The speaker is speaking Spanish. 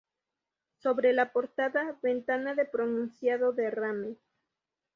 Sobre la portada, ventana de pronunciado derrame.